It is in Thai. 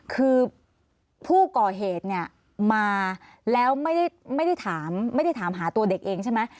คือผู้ก่อเหตุมาแล้วไม่ได้ถามหาตัวเด็กเองใช่ไหม